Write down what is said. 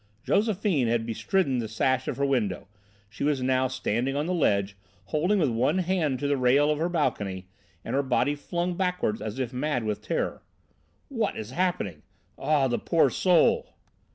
Josephine had bestridden the sash of her window. She was now standing on the ledge, holding with one hand to the rail of her balcony and her body flung backwards as if mad with terror. "What is happening? Oh, the poor soul!"